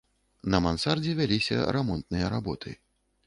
На мансардзе вяліся рамонтныя работы.